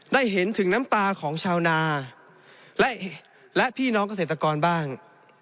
ได้เห็นถึงน้ำตาของชาวนาและพี่น้องเกษตรกรบ้าง